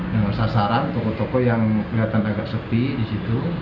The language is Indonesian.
dengan sasaran toko toko yang kelihatan agak sepi di situ